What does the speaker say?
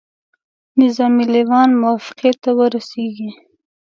نظامي لېوان موافقې ته ورسیږي.